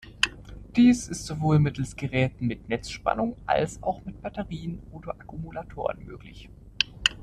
Dies ist sowohl mittels Geräten mit Netzspannung als auch mit Batterien oder Akkumulatoren möglich.